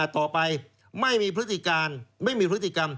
ต่อไปไม่มีพฤติการไม่มีพฤติกรรม